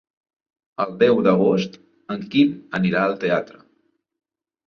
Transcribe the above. El deu d'agost en Quim anirà al teatre.